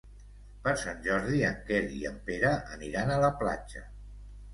Per Sant Jordi en Quer i en Pere aniran a la platja.